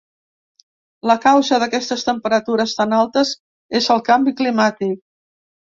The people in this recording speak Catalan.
La causa d’aquestes temperatures tan altes és el canvi climàtic.